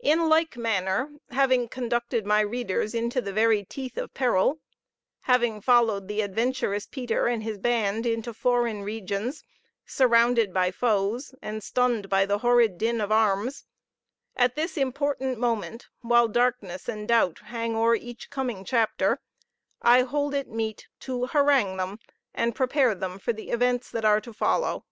In like manner, having conducted my readers into the very teeth of peril: having followed the adventurous Peter and his band into foreign regions, surrounded by foes, and stunned by the horrid din of arms, at this important moment, while darkness and doubt hang o'er each coming chapter, I hold it meet to harangue them, and prepare them for the events that are to follow.